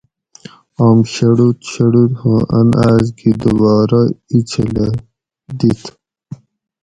آم شڑوت شڑوت ھوں ان آس گی دوبارہ ایچھلہ دِت